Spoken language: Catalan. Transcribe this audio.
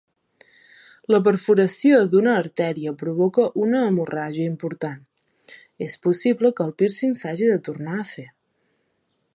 La perforació d'una artèria provoca una hemorràgia important; és possible que el pírcing s'hagi de tornar a fer.